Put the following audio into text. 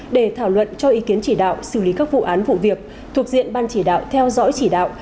để thảo luận cho ý kiến chỉ đạo xử lý các vụ án vụ việc thuộc diện ban chỉ đạo theo dõi chỉ đạo